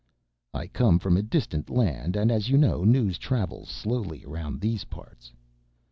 "I come from a distant land and as you know news travels slowly around these parts."